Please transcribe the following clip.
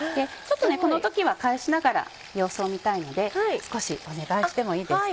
この時は返しながら様子を見たいので少しお願いしてもいいですか？